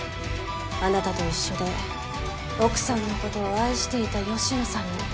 あなたと一緒で奥さんのことを愛していた芳野さんに。